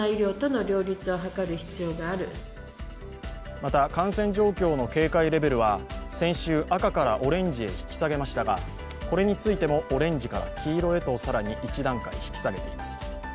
また、感染状況の警戒レベルは先週、赤からオレンジへ引き下げましたが、これについてもオレンジから黄色へと更に１段階引き下げています。